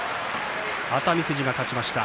熱海富士が勝ちました。